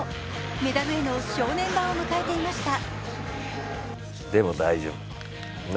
メダルへの正念場を迎えていました。